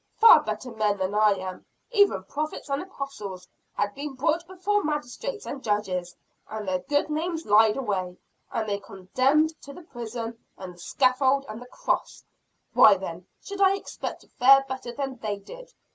Far better men than I am, even prophets and apostles, have been brought before magistrates and judges, and their good names lied away, and they condemned to the prison and the scaffold and the cross. Why then, should I expect to fare better than they did?